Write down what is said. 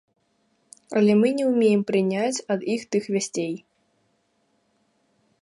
Але мы не ўмеем прыняць ад іх тых вясцей.